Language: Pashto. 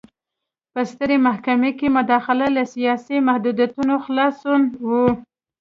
په ستره محکمه کې مداخله له سیاسي محدودیتونو خلاصون و.